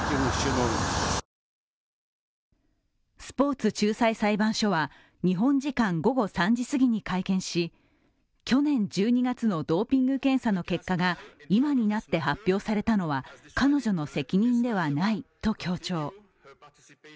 スポーツ仲裁裁判所は日本時間午後３時すぎに会見し去年１２月のドーピング検査の結果が今になって発表されたのは彼女の責任ではないと強調。